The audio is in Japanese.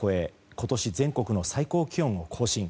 今年全国の最高気温を更新。